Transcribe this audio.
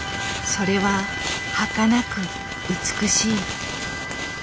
それははかなく美しい。